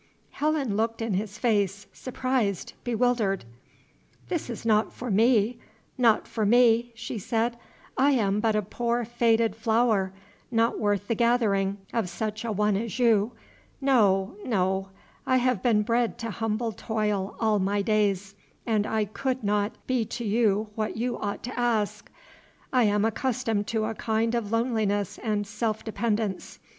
Helen looked in his face, surprised, bewildered. "This is not for me, not for me," she said. "I am but a poor faded flower, not worth the gathering, of such a one as you. No, no, I have been bred to humble toil all my days, and I could not be to you what you ought to ask. I am accustomed to a kind of loneliness and self dependence.